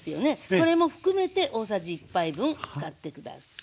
これも含めて大さじ１杯分使って下さい。